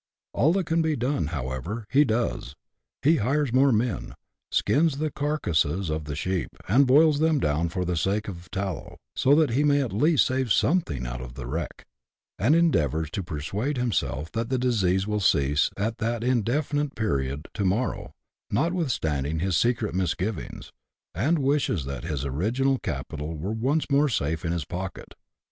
All that can be done, however, he does : he hires more men ; skins the carcases of the sheep, and boils them down for the sake of the tallow, so that he may at least save something out of the wreck ; and endeavours to persuade himself that the disease will cease at that indefinite period to morrow, notwithstanding his secret misgivings, and wishes that his original capital were once more safe in his pocket.